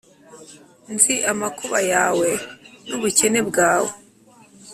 ‘Nzi amakuba yawe n’ubukene bwawe,